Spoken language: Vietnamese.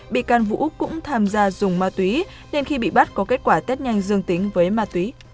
bị can vũ cũng tham gia dùng ma túy nên khi bị bắt có kết quả tết nhanh dương tính với ma túy